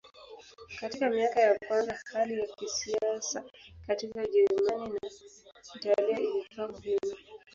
Katika miaka ya kwanza hali ya kisiasa katika Ujerumani na Italia ilikuwa muhimu.